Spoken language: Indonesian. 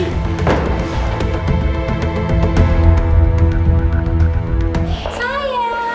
ini temen temennya kenapa lewat cuci